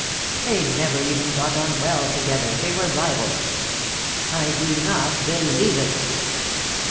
They never even got on well together; they were rivals. I do not believe it."